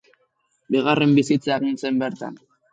Bigarren bizitza egin zen bertan.